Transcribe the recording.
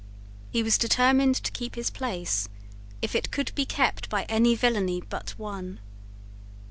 He was determined to keep his place, if it could be kept by any villany but one.